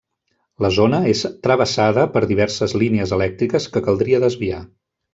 La zona és travessada per diverses línies elèctriques que caldria desviar.